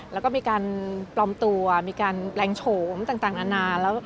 แล้วก็มีการปลอมตัวมีการแปลงโฉมต่างนานา